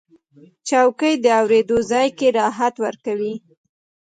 چوکۍ د اورېدو ځای کې راحت ورکوي.